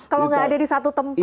kalau nggak ada di satu tempat